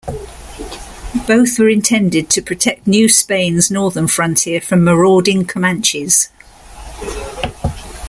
Both were intended to protect New Spain's northern frontier from marauding Comanches.